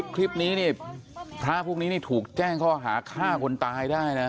คลิปนี้นี่พระพวกนี้นี่ถูกแจ้งข้อหาฆ่าคนตายได้นะ